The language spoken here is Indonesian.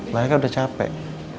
mereka udah capek